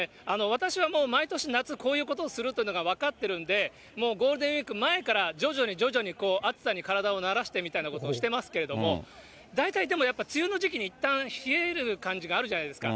私はもう、毎年夏、こういうことをするというのが分かってるんで、もうゴールデンウィーク前から、徐々に徐々にこう、暑さに体を慣らしてみたいなことをしてますけれども、大体でもやっぱり梅雨の時期にいったん冷える感じがあるじゃないですか。